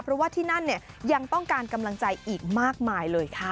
เพราะว่าที่นั่นเนี่ยยังต้องการกำลังใจอีกมากมายเลยค่ะ